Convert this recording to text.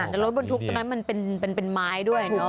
เดี๋ยวรถบรรทุกนั้นมันเป็นไม้ด้วยเนอะ